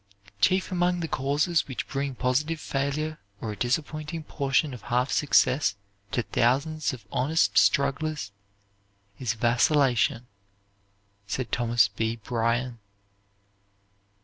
"Chief among the causes which bring positive failure or a disappointing portion of half success to thousands of honest strugglers is vacillation," said Thomas B. Bryan.